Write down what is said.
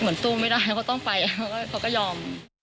สู้ไม่ได้เขาต้องไปเขาก็ยอม